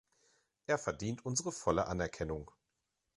Er verdient unsere volle Anerkennung.